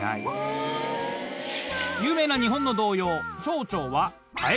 有名な日本の童謡。